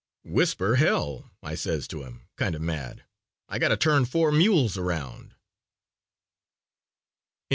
"'Whisper, Hell!' I says to him, kind of mad, 'I gotta turn four mules around.'"